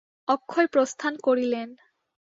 অক্ষয় প্রস্থান করিলেন।